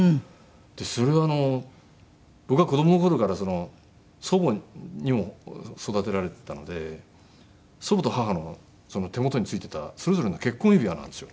でそれは僕は子供の頃から祖母にも育てられてたので祖母と母の手元についてたそれぞれの結婚指輪なんですよ。